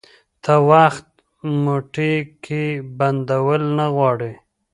ته وخت په موټې کي بندول نه غواړي